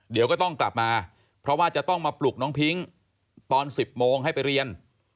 เดี๋ยวก็ต้องกลับมาเพราะว่าจะต้องมาปลุกน้องพิ้งตอน๑๐โมงให้ไปเรียน